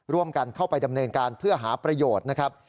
ร่วมกันเข้าไปดำเนินการเพื่อหาประโยชน์นะครับ